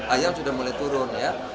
ayam sudah mulai turun